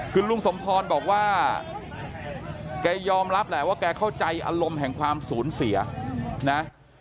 คือลุงสมพรบอกว่าแกยอมรับแหละว่าแกเข้าใจอารมณ์แห่งความสูญเสียนะ